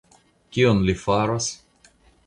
Kion li faros?